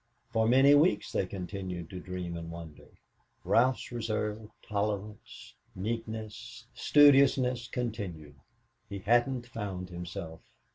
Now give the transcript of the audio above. For many weeks they continued to dream and wonder. Ralph's reserve, tolerance, meekness, studiousness continued. He hadn't found himself.